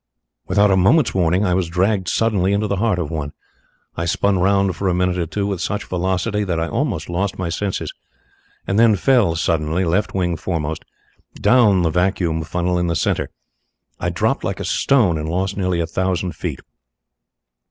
Without a moment's warning I was dragged suddenly into the heart of one. I spun round for a minute or two with such velocity that I almost lost my senses, and then fell suddenly, left wing foremost, down the vacuum funnel in the centre. I dropped like a stone, and lost nearly a thousand feet.